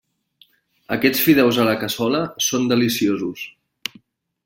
Aquests fideus a la cassola són deliciosos.